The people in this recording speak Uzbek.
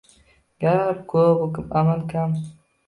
Gap ko‘p-u, amal kam.